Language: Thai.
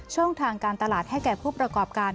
ช่องทางการตลาดให้แก่ผู้ประกอบการ